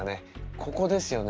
ここですよね